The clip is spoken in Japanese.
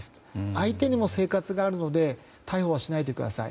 相手にも生活があるので逮捕はしないでください。